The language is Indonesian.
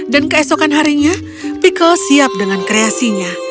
dan keesokan harinya pikel siap dengan kreasinya